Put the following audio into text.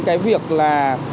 cái việc là